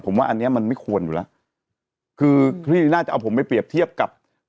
ผมว่าอันเนี้ยมันไม่ควรอยู่แล้วคือคลี่น่าจะเอาผมไปเปรียบเทียบกับ